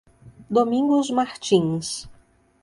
Domingos Martins